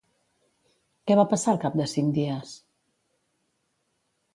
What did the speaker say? Què va passar al cap de cinc dies?